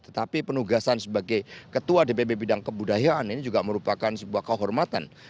tetapi penugasan sebagai ketua dpp bidang kebudayaan ini juga merupakan sebuah kehormatan